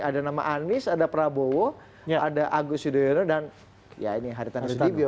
ada nama anies ada prabowo ada agus yudhoyono dan ya ini haritanu sudibyo